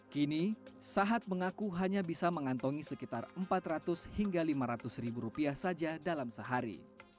kini sahad mengaku hanya bisa mengantongi sekitar empat ratus hingga lima ratus ribu rupiah saja dalam sehari